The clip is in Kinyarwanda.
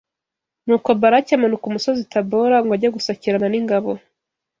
Nuko Baraki amanuka Umusozi Tabora ngo ajye gusakirana n’ingabo